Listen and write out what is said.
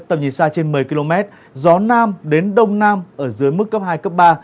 tầm nhìn xa trên một mươi km gió nam đến đông nam ở dưới mức cấp hai cấp ba